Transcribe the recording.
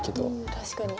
確かに。